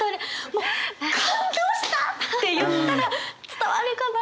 もう「感動した！」って言ったら伝わるかなっていう。